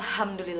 dan ma tulis